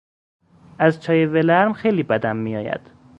از چای ولرم خیلی بدم میآید.